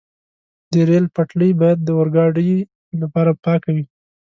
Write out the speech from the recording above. د ریل پټلۍ باید د اورګاډي لپاره پاکه وي.